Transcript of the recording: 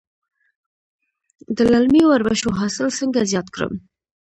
د للمي وربشو حاصل څنګه زیات کړم؟